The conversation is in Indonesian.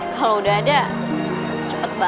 kalau udah tiba tiba